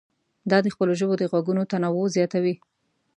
دا د خپلو ژبو د غږونو تنوع زیاتوي.